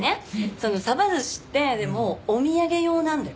そのサバ寿司ってでもお土産用なんだよ。